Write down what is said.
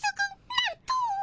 なんと！